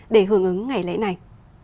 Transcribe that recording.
để hưởng ứng ngày lễ này